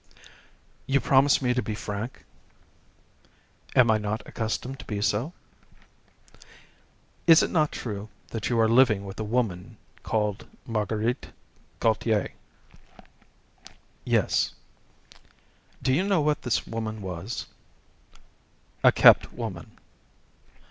"You promise me to be frank?" "Am I not accustomed to be so?" "Is it not true that you are living with a woman called Marguerite Gautier?" "Yes." "Do you know what this woman was?" "A kept woman."